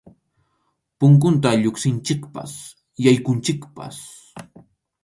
Punkunta lluqsinchikpas yaykunchikpas.